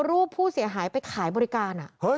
รูปผู้เสียหายไปขายบริการ